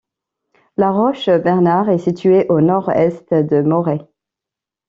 La Roche Bernard est située au nord-est de Morez.